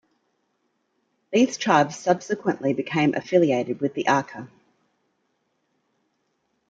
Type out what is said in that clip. These tribes subsequently became affiliated with the Aka.